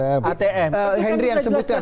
henry yang sebutkan henry yang sebutkan